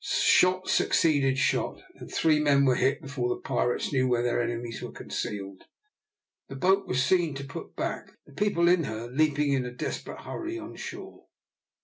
Shot succeeded shot, and three men were hit before the pirates knew where their enemies were concealed. The boat was seen to put back, the people in her leaping in a desperate hurry on shore.